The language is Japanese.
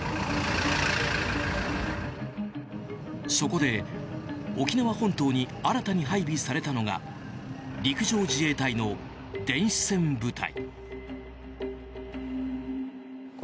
そこで、沖縄本島に新たに配備されたのが陸上自衛隊の電子戦部隊。